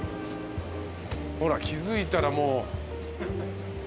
ほら気付いたらもう。